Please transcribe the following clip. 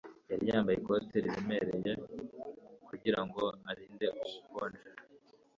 yari yambaye ikote riremereye kugirango arinde ubukonje